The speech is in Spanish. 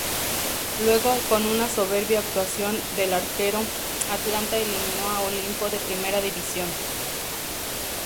Luego, con una soberbia actuación del arquero, Atlanta eliminó a Olimpo de primera división.